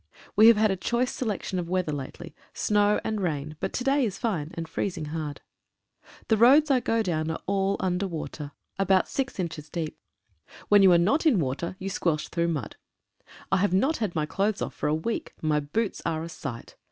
We have had a choice selection of wea ther lately — snow and rain, but to day is fine, and freez ing hard. The roads I go down are all under water 25 SNIPING THE AMBULANCE. about six inches deep. When you are not in water you squelch through mud. I have not had my clothes off for a week. My boots are a sight.